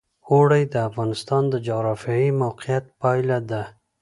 اوړي د افغانستان د جغرافیایي موقیعت پایله ده.